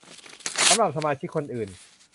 สำหรับสมาชิกคนอื่น